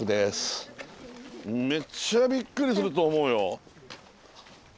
めっちゃびっくりすると思うよ。